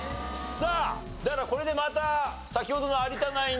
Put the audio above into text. さあだからこれでまた先ほどの有田ナイン